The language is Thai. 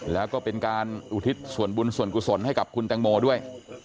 แล้วก็เป็นการอุทิศส่วนบุญส่วนกุศลให้กับคุณแตงโมด้วย